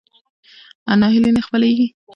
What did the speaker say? ناهیلي نه خپرېږي.